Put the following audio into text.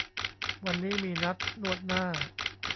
วันนี้มีนัดนวดหน้า